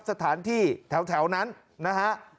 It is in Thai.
สถานที่แถวนั้นนะฮะ